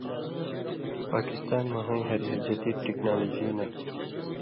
پاکستان مہ ہُویں ہَریۡ جدید ٹیکنالوجی نہ